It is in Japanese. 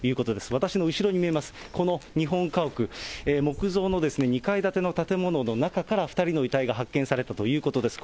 私の後ろに見えます、この日本家屋、木造の２階建ての建物の中から、２人の遺体が発見されたということです。